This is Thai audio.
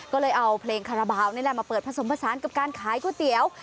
ก็เลยเอาเพลงคาราบาลนี่แหละมาเปิดผสมผสานกับการขายก๋วยเตี๋ยว